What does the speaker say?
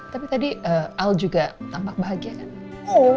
tapi tadi al juga tampak bahagia kan